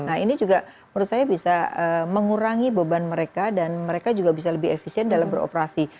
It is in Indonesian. nah ini juga menurut saya bisa mengurangi beban mereka dan mereka juga bisa lebih efisien dalam beroperasi